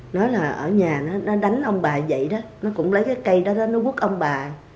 nói là ở nhà nó đánh ông bà vậy đó nó cũng lấy cái cây đó đến nó vút ông bà